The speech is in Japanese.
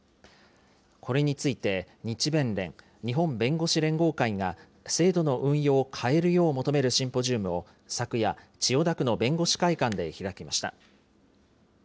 これについて、日弁連・日本弁護士連合会が、制度の運用を変えるよう求めるシンポジウムを昨夜、千代田区の弁護士会館で開きました。